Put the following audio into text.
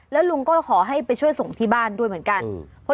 แล้วลุงก็ขอให้ไปช่วยส่งที่บ้านด้วยเหมือนกัน